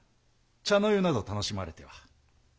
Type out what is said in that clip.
茶の湯など楽しまれては。